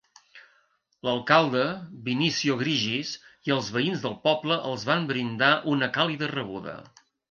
L'alcalde, Vinicio Grigis, i els veïns del poble els van brindar una càlida rebuda.